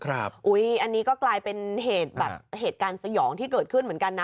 อันนี้ก็กลายเป็นเหตุแบบเหตุการณ์สยองที่เกิดขึ้นเหมือนกันนะ